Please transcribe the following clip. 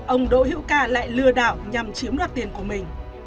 ông đỗ hữu ca lại lừa đảo nhằm chiếm đoạt tiền của mình